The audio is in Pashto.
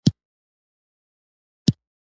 هدایت ورکړه شو.